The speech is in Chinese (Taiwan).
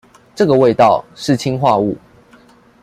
這個味道，是氰化物